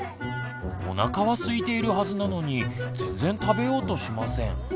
おなかはすいているはずなのに全然食べようとしません。